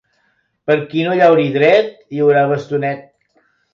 Pel qui no llauri dret, hi haurà bastonet.